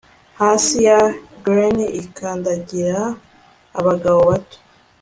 Hasi ya glen ikandagira abagabo bato